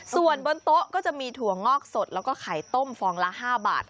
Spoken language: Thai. ส่วนบนโต๊ะก็จะมีถั่วงอกสดแล้วก็ไข่ต้มฟองละ๕บาท